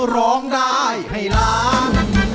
ร้องได้ให้ล้าน